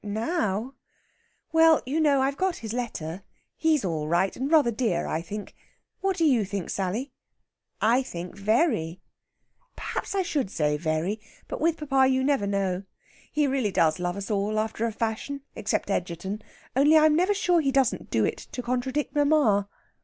"Now? Well, you know, I've got his letter. He's all right and rather dear, I think. What do you think, Sally?" "I think very." "Perhaps I should say very. But with papa you never know. He really does love us all, after a fashion, except Egerton, only I'm never sure he doesn't do it to contradict mamma."